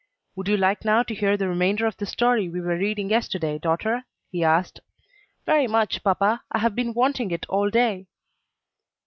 "Would you like now to hear the remainder of the story we were reading yesterday, daughter?" he asked. "Very much, papa; I have been wanting it all day."